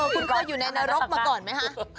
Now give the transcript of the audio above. คุณเคยอยู่ในนรกมาก่อนไหมคะ